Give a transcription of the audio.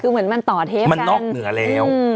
คือเหมือนมันต่อเทปมันนอกเหนือแล้ว